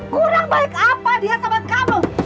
kurang baik apa dia sahabat kamu